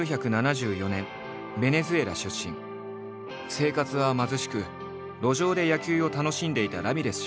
生活は貧しく路上で野球を楽しんでいたラミレス少年。